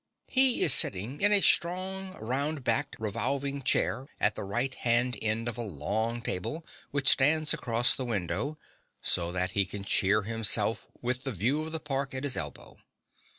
He is sitting in a strong round backed revolving chair at the right hand end of a long table, which stands across the window, so that he can cheer himself with the view of the park at his elbow.